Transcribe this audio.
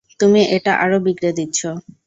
তুমি এটা আরও বিগড়ে দিচ্ছ।